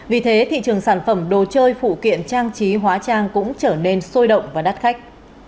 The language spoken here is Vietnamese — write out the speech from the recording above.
vì thế thị trường sản phẩm đồ chơi phụ kiện trang trí hóa trang cũng trở nên sôi động và đắt khách